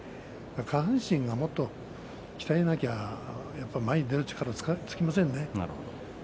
下半身をもっと鍛えないと前に出る力がつきませんね。